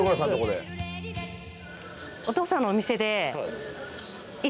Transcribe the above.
お父さんのお店で。